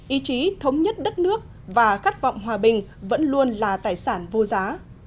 ý chí thống nhất đất nước và khát vọng hòa bình vẫn luôn là tài sản vô giá